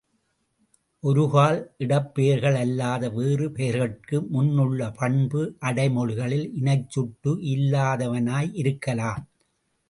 ஒருகால், இடப் பெயர்கள் அல்லாத வேறு பெயர்கட்கு முன் உள்ள பண்பு அடைமொழிகள் இனச்சுட்டு இல்லாதனவாயிருக்கலாம்.